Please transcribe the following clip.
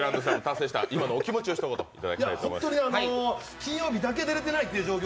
金曜日だけ出れてないという状況